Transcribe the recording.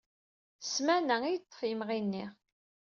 Ssmana i yeṭṭef yimenɣi-nni.